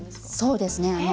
そうですね。